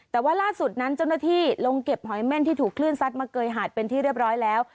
แต่ว่าล่าสุดนั้นเจ้าหน้าที่ลงเก็บหอยเม่นที่ถูกคลื่นซัดมาเกยหาดเป็นที่เรียบร้อยแล้ว